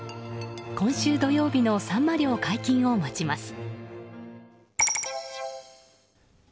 今週土曜日のサンマ漁解禁を待ちます。